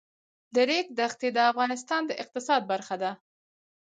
د ریګ دښتې د افغانستان د اقتصاد برخه ده.